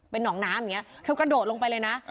เป็นน้องน้ำอย่างเงี้ยเธอกระโดดลงไปเลยน่ะอ่า